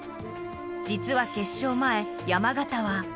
実は決勝前、山縣は。